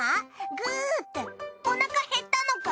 グーってお腹減ったのか？